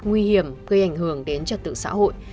nguy hiểm gây ảnh hưởng đến trật tự xã hội